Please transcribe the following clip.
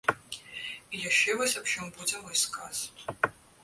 І яшчэ вось аб чым будзе мой сказ.